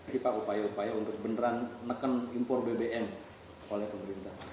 kita upaya upaya untuk beneran neken impor bbm oleh pemerintah